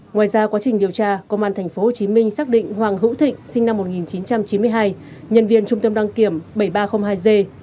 ngoài ra quá trình điều tra công an tp hcm xác định hoàng hữu thịnh sinh năm một nghìn chín trăm chín mươi hai nhân viên trung tâm đăng kiểm bảy nghìn ba trăm linh hai g